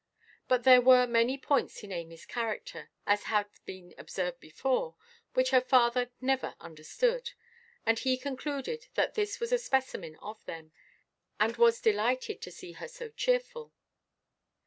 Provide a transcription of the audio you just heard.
But there were many points in Amyʼs character, as has been observed before, which her father never understood; and he concluded that this was a specimen of them, and was delighted to see her so cheerful.